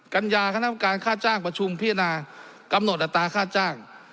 กัญญาคณะกรรมการค่าจ้างประชุมพิจารณากำหนดอัตราค่าจ้าง